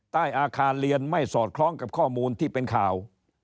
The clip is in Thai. ใต้อาคารเรียนไม่สอดคล้องกับข้อมูลที่เป็นข่าว